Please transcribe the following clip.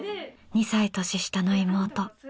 ２歳年下の妹。